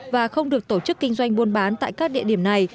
và không được tổ chức kinh doanh buôn bán tại các địa điểm này